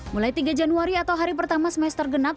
mulai tiga januari atau hari pertama semester genap